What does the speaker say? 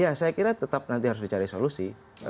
ya saya kira tetap nanti harus dicari solusi